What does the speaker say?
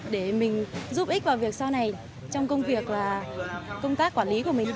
để mình giúp ích vào việc sau này trong công việc và công tác quản lý của mình